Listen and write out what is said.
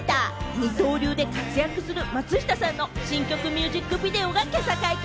二刀流で活躍する松下さんの新曲ミュージックビデオが解禁。